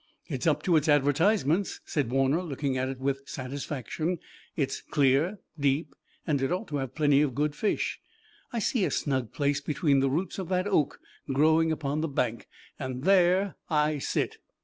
"It's up to its advertisements," said Warner, looking at it with satisfaction. "It's clear, deep and it ought to have plenty of good fish. I see a snug place between the roots of that oak growing upon the bank, and there I sit."